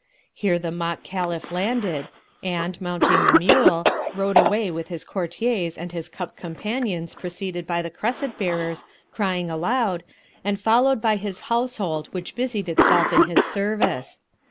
Here the mock Caliph landed and, mounting the mule, rode away with his courtiers and his cup companions preceded by the cresset bearers crying aloud, and followed by his household which busied itself in his service.